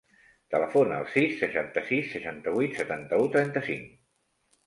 Telefona al sis, seixanta-sis, seixanta-vuit, setanta-u, trenta-cinc.